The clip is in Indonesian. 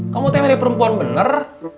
kamu teman perempuan benar